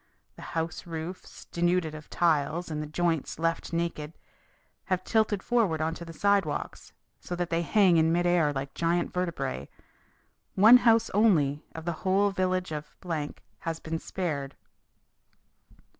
The house roofs, denuded of tiles and the joists left naked, have tilted forward on to the sidewalks, so that they hang in mid air like giant vertebrae.... One house only of the whole village of had been spared."